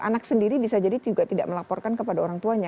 anak sendiri bisa jadi juga tidak melaporkan kepada orang tuanya